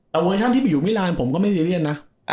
แต่เวอร์ชั่นที่ไปอยู่มิลานผมก็ไม่ซีเรียสนะ